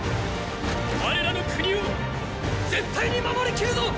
我らの国を絶対に守りきるぞ！！